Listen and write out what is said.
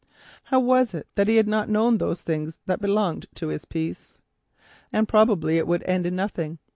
How was it that he had not known those things that belonged to his peace? And probably it would end in nothing.